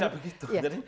tapi tidak begitu